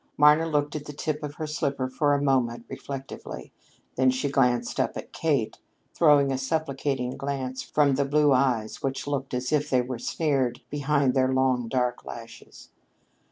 Marna looked at the tip of her slipper for a moment, reflectively. Then she glanced up at Kate, throwing a supplicating glance from the blue eyes which looked as if they were snared behind their long dark lashes.